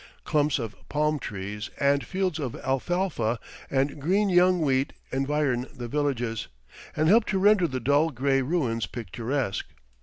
Clumps of palm trees and fields of alfalfa and green young wheat environ the villages, and help to render the dull gray ruins picturesque.